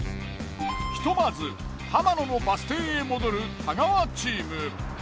ひとまず浜野のバス停へ戻る太川チーム。